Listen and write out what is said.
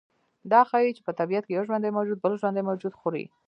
دا ښیي چې په طبیعت کې یو ژوندی موجود بل ژوندی موجود خوري